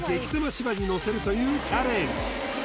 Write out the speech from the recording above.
芝に乗せるというチャレンジ